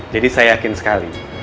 jadi saya yakin sekali